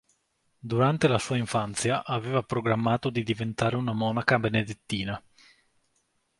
Durante la sua infanzia, aveva programmato di diventare una monaca benedettina.